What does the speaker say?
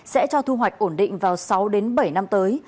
sẽ cho thu hoạch ổn định vào sáu bảy năm tới